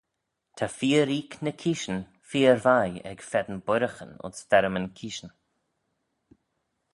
Ta fir-oik ny keeshyn feer vie ec feddyn boiraghyn ayns ferrymyn keeshyn.